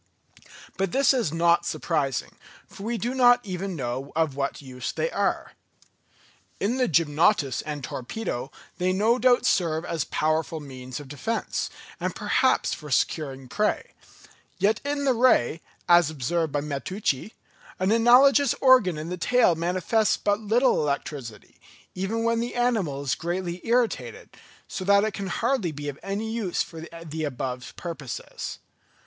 But this is not surprising, for we do not even know of what use they are. In the gymnotus and torpedo they no doubt serve as powerful means of defence, and perhaps for securing prey; yet in the ray, as observed by Matteucci, an analogous organ in the tail manifests but little electricity, even when the animal is greatly irritated; so little that it can hardly be of any use for the above purposes.